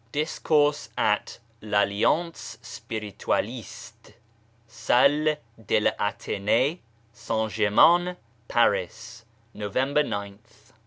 DISCOURSE AT L ALLIANCE SPIRITUALISTE Salle de l'Athen6e, St. Germain, Paris, November gth.